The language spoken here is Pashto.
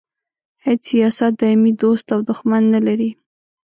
هیڅ سیاست دایمي دوست او دوښمن نه لري.